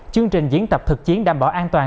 chương trình diễn tập thực chiến đảm bảo an toàn